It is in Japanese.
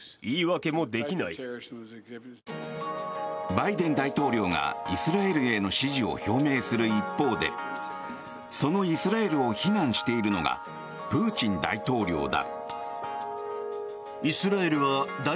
バイデン大統領がイスラエルへの支持を表明する一方でそのイスラエルを非難しているのがプーチン大統領だ。